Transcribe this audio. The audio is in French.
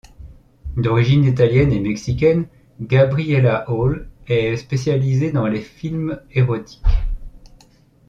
D'origine italienne et mexicaine, Gabriella Hall est spécialisée dans les films érotiques.